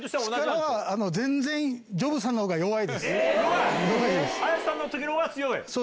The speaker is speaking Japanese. はい。